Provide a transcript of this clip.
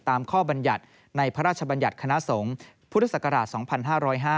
ตามข้อบรรยัติในพระราชบัญญัติคณะสงฆ์พุทธศักราช๒๕๐๕